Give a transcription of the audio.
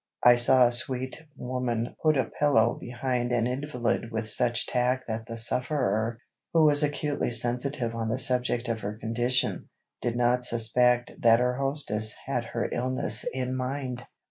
I saw a sweet woman put a pillow behind an invalid with such tact that the sufferer, who was acutely sensitive on the subject of her condition, did not suspect that her hostess had her illness in mind.